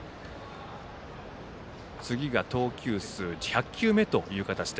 次が投球数、１００球目という形。